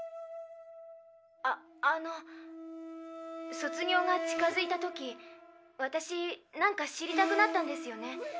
ああの卒業が近づいた時私なんか知りたくなったんですよね。